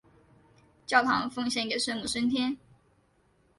教堂奉献给圣母升天。